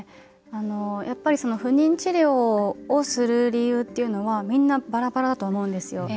やっぱり不妊治療をする理由っていうのはみんなバラバラだと思うんですよ。